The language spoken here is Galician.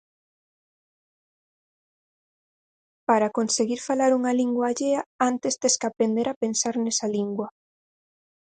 Para conseguir falar unha lingua allea antes tes que aprender a pensar nesa lingua